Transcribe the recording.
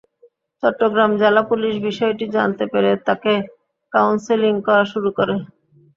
চট্টগ্রাম জেলা পুলিশ বিষয়টি জানতে পেরে তাঁকে কাউন্সেলিং করা শুরু করে।